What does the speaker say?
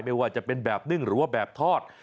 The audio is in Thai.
ไม่ว่าจะเป็นแบบนึ่งหรือว่าแบบทอด